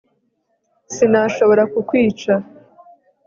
Sinashobora kukwica